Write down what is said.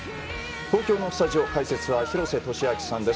東京のスタジオ解説は廣瀬俊朗さんです。